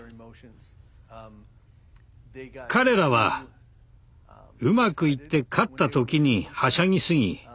彼らはうまくいって勝った時にはしゃぎ過ぎ